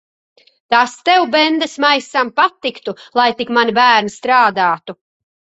Tas tev, bendesmaisam, patiktu. Lai tik mani bērni strādātu.